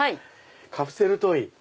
カプセルトイ。